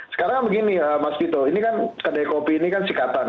sekarang begini mas gito ini kan kdkopi ini kan sikatan